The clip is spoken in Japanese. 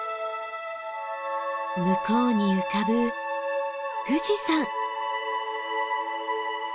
向こうに浮かぶ富士山！